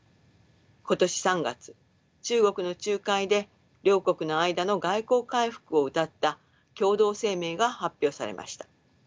今年３月中国の仲介で両国の間の外交回復をうたった共同声明が発表されました。